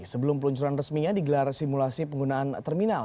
sebelum peluncuran resminya digelar simulasi penggunaan terminal